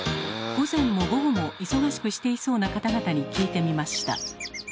午前も午後も忙しくしていそうな方々に聞いてみました。